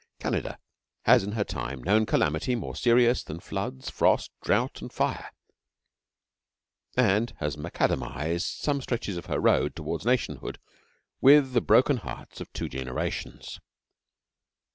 Canada has in her time known calamity more serious than floods, frost, drought, and fire and has macadamized some stretches of her road toward nationhood with the broken hearts of two generations.